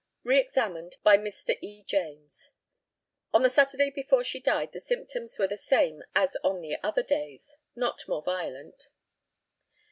Re examined by Mr. E. JAMES: On the Saturday before she died the symptoms were the same as on the other days not more violent.